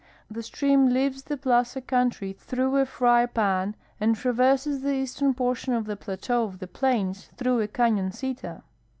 The stream leaves the ])laza country through a frv pan and traverses the eastern ])ortion of the plateau of the Plains through a canoncita.